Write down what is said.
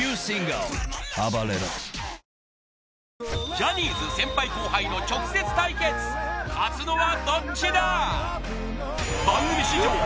ジャニーズ先輩後輩の直接対決勝つのはどっちだ？